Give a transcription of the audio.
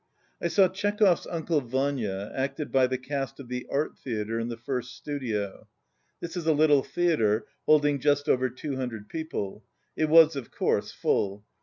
I SAW Chekhov's "Uncle Vanya" acted by the cast of the Art Theatre in the First Studio. This is a little theatre holding just over 200 people. It was of course full.